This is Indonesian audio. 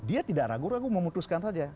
dia tidak ragu ragu memutuskan saja